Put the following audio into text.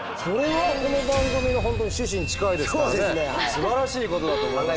すばらしいことだと思いますよ。